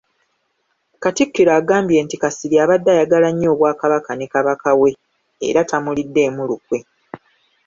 Katikkiro agambye nti Kasirye abadde ayagala nnyo Obwakabaka ne Kabaka we era tamuliddeemu lukwe.